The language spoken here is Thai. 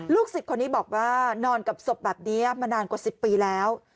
สิทธิ์คนนี้บอกว่านอนกับศพแบบนี้มานานกว่า๑๐ปีแล้ว